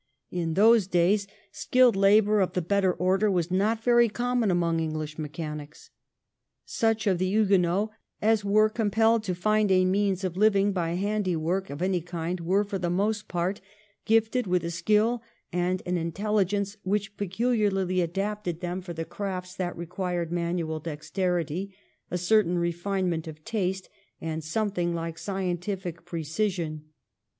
In thos^ days skilled labour of the better 1685 1714 THE MANUFACTURE OF SILK. 161 order was not very common among English mechanics. Such of the Huguenots as were com pelled to find a means of living by handiwork of any kind were, for the most part, gifted with a skill and an intelligence which peculiarly adapted them for the crafts that required manual dexterity, a certain refinement of taste, and something like scientific precision.